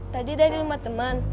tadi dari rumah temen